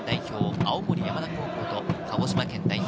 ・青森山田高校と鹿児島県代表